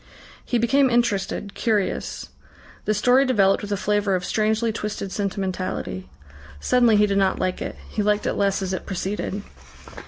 He became interested, curious. The story developed with a flavour of strangely twisted sentimentality. Suddenly he did not like it. He liked it less as it proceeded.